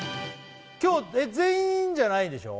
今日全員じゃないでしょ？